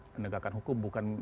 penegakan hukum bukan